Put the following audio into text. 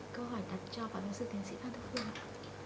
câu hỏi đặt cho bác sĩ tiến sĩ phan thức phương ạ